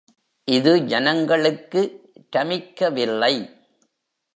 இது ஜனங்களுக்கு ரமிக்கவில்லை.